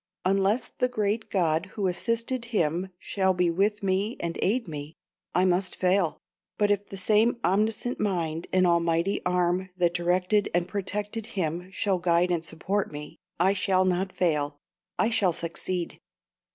Unless the great God who assisted him shall be with me and aid me, I must fail; but if the same omniscient mind and almighty arm that directed and protected him shall guide and support me, I shall not fail I shall succeed.